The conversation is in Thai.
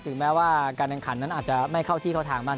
แม้ว่าการแข่งขันนั้นอาจจะไม่เข้าที่เข้าทางมาก